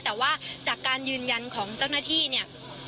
แต่ว่าจากการยืนยันของเจ้าหน้าที่เนี่ย